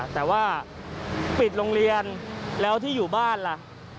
แต่ว่าปิดโรงเรียนแล้วที่อยู่บ้านล่ะ